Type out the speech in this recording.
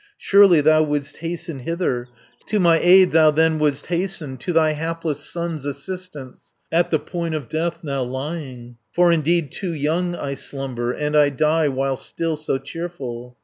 Surely thou would'st hasten hither, To my aid thou then would'st hasten, 430 To thy hapless son's assistance, At the point of death now lying, For indeed too young I slumber, And I die while still so cheerful."